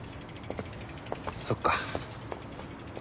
そっか。